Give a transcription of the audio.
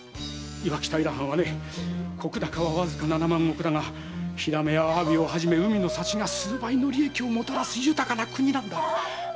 磐城平藩はね石高はわずか七万石だがヒラメやアワビをはじめ海の幸が数倍の利益をもたらす豊かな国なんだ。